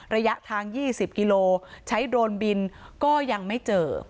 ระยะทาง๒๐กิโลใช้โดรนบินก็ยังไม่เจอ